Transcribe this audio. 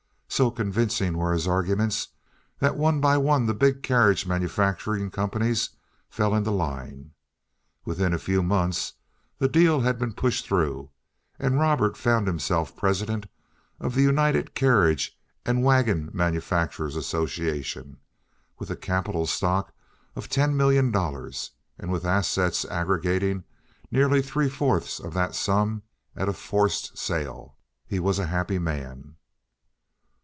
So convincing were his arguments that one by one the big carriage manufacturing companies fell into line. Within a few months the deal had been pushed through, and Robert found himself president of the United Carriage and Wagon Manufacturers' Association, with a capital stock of ten million dollars, and with assets aggregating nearly three fourths of that sum at a forced sale. He was a happy man.